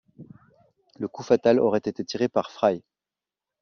Le coup fatal aurait été tiré par Fry.